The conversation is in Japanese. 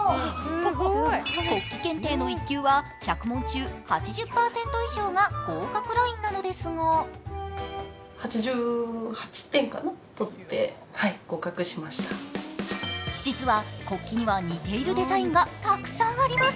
国旗検定の１級は１００問中、８０％以上が合格ラインなのですが実は、国旗には似ているデザインがたくさんあります。